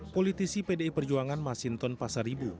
politisi pdi perjuangan masinton pasar ibu